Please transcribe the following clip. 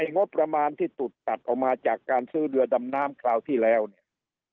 งบประมาณที่ถูกตัดออกมาจากการซื้อเรือดำน้ำคราวที่แล้วเนี่ย